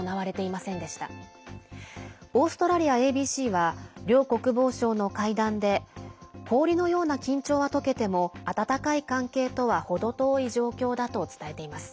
ＡＢＣは両国防相の会談で氷のような緊張は解けても温かい関係とは程遠い状況だと伝えています。